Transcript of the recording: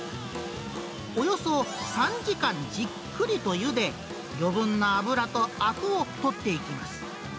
およそ３時間、じっくりとゆで、余分な脂とあくを取っていきます。